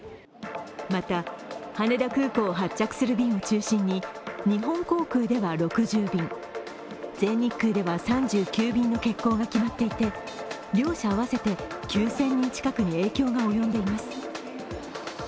また羽田空港を発着する便を中心に日本航空では６０便、全日空では３９便の欠航が決まっていて両社合わせて９０００人近くに影響が出ています。